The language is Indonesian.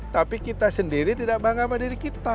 tapi kita sendiri tidak bangga sama diri kita